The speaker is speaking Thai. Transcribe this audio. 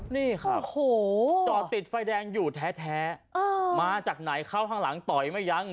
นี่ครับโอ้โหจอดติดไฟแดงอยู่แท้มาจากไหนเข้าข้างหลังต่อยไม่ยัง